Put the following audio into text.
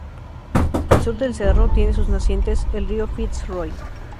Al sur del cerro, tiene sus nacientes el río Fitz Roy.